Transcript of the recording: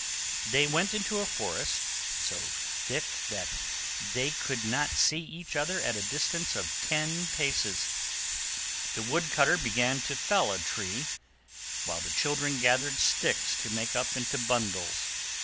They went into a forest, so thick that they could not see each other at a distance of ten paces. The Wood cutter began to fell a tree, while the children gathered sticks to make up into bundles.